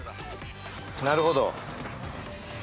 なるほど。